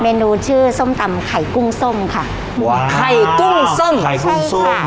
เมนูชื่อส้มตำไข่กุ้งส้มค่ะไข่กุ้งส้มไข่กุ้งส้มใช่ค่ะ